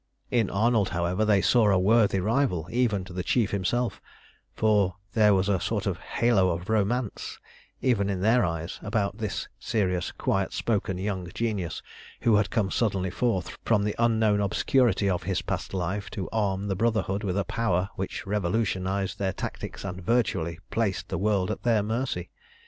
In Arnold, however, they saw a worthy rival even to the Chief himself, for there was a sort of halo of romance, even in their eyes, about this serious, quiet spoken young genius, who had come suddenly forth from the unknown obscurity of his past life to arm the Brotherhood with a power which revolutionised their tactics and virtually placed the world at their mercy.